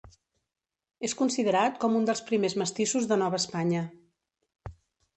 És considerat com un dels primers mestissos de Nova Espanya.